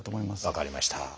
分かりました。